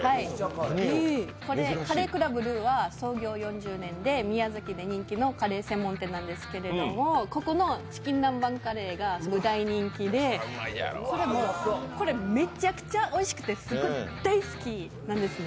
カレー倶楽部ルウは創業４０年で宮崎で人気のカレー専門店なんですけど、ここのチキン南蛮カレーが大人気でこれ、めちゃくちゃおいしくてすごい大好きなんですね。